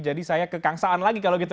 jadi saya ke kang saan lagi kalau gitu